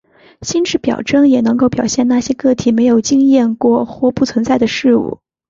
心智表征也能够表现那些个体没有经验过或不存在的事物。